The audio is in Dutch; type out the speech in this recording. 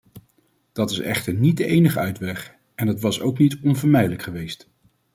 Dat is echter niet de enige uitweg, en het was ook niet onvermijdelijk geweest.